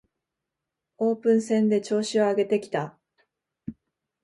オープン戦で調子を上げてきた